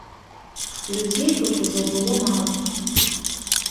Людзей тут ужо было мала.